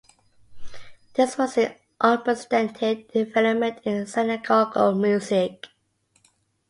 This was an unprecedented development in synagogal music.